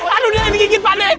aduh dia lagi digigit pade